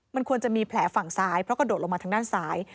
มันควรจะมีแผลฝั่งซ้ายเพราะกระโดดลงมาทางด้านซ้าย